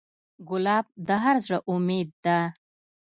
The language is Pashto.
ګلاب د هر زړه امید ده.